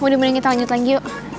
mudah mudahan kita lanjut lagi yuk